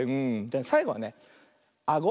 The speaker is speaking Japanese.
さいごはねあご。